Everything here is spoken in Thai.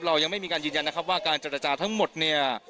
เรายังไม่มีการยืนยันนะครับว่าการเจรจาทั้งหมดเนี่ย